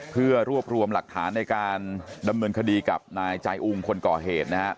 เพื่อรวบรวมหลักฐานในการดำเนินคดีกับนายใจอุงคนก่อเหตุนะครับ